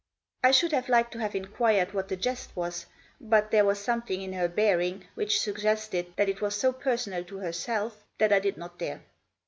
I should have liked to have inquired what the jest was, but there was something in her bearing which suggested that it was so personal to herself that I did not dare.